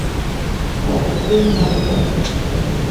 Mendim man a nda.